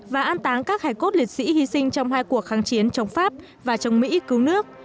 và an táng các hải cốt liệt sĩ hy sinh trong hai cuộc kháng chiến chống pháp và chống mỹ cứu nước